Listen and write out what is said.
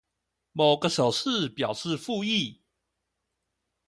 某個手勢代表覆議